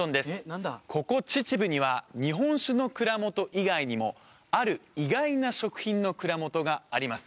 秩父には日本酒の蔵元以外にもある意外な食品の蔵元があります